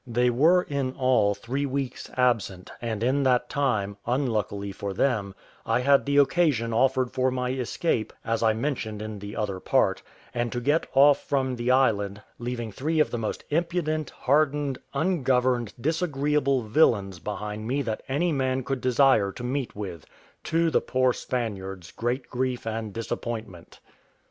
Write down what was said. They were in all three weeks absent; and in that time, unluckily for them, I had the occasion offered for my escape, as I mentioned in the other part, and to get off from the island, leaving three of the most impudent, hardened, ungoverned, disagreeable villains behind me that any man could desire to meet with to the poor Spaniards' great grief and disappointment.